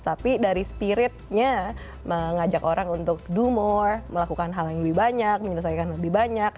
tapi dari spiritnya mengajak orang untuk domore melakukan hal yang lebih banyak menyelesaikan lebih banyak